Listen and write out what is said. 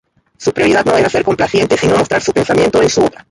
Su prioridad no era ser complaciente sino mostrar su pensamiento en su obra.